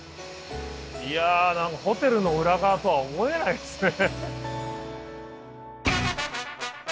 いやホテルの裏側とは思えないですね。